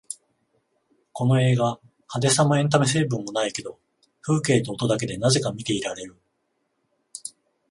この映画、派手さもエンタメ成分もないけど風景と音だけでなぜか見ていられる